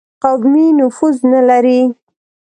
قومي نفوذ نه لري.